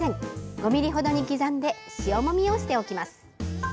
５ｍｍ程に刻んで塩もみをしておきます。